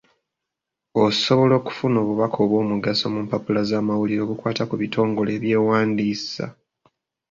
Osobola okufuna obubaka obw'omugaso mu mpapula z'amawulire obukwata ku bitongole eby'ewandiisa.